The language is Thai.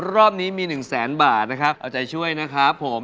รอบนี้มี๑๐๐๐บาทเอาใจช่วยนะครับผม